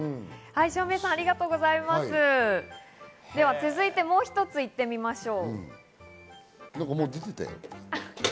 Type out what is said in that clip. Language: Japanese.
続いて、もう一つ行ってみましょう。